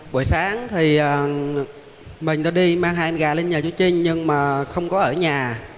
buổi sáng thì mình tôi đi mang hai em gà lên nhà chúa trinh nhưng mà không có ở nhà